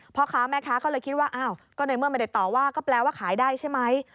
พ่อค้าแม่ค้าก็เลยคิดว่าอ้าวก็ในเมื่อไม่ได้ต่อว่าก็แปลว่าขายได้ใช่ไหม